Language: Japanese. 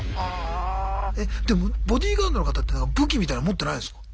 えでもボディーガードの方っていうのは武器みたいの持ってないんすか？